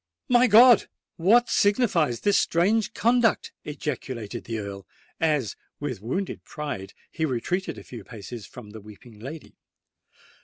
"My God! what signifies this strange conduct?" ejaculated the Earl, as, with wounded pride, he retreated a few paces from the weeping lady.